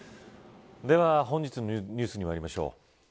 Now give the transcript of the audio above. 本日のニュースにまいりましょう。